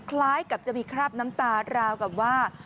คล้ายกับจะมีคราบน้ำตาราวกับว่า